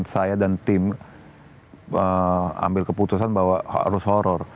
saya dan tim ambil keputusan bahwa harus horror